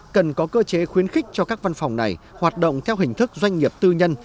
cần có cơ chế khuyến khích cho các văn phòng này hoạt động theo hình thức doanh nghiệp tư nhân